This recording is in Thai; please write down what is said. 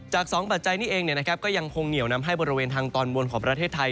๒ปัจจัยนี้เองก็ยังคงเหนียวนำให้บริเวณทางตอนบนของประเทศไทย